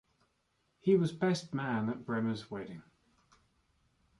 He was best man at Bremner's wedding.